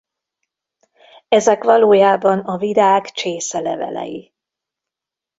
Ezek valójában a virág csészelevelei.